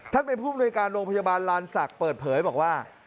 ท่านเป็นผู้มนุยการโรงพยาบาลลานศักดิ์เปิดเผยบอกว่า